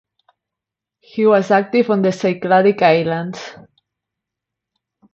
He was active on the Cycladic Islands.